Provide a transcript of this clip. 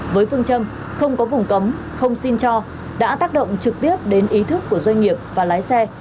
với phương châm không có vùng cấm không xin cho đã tác động trực tiếp đến ý thức của doanh nghiệp và lái xe